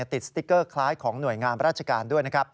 ติดสติกเกอร์คล้ายของหน่วยงามราชการด้วย